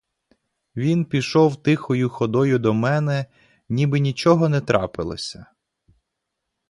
Він пішов тихою ходою до мене, ніби нічого не трапилося.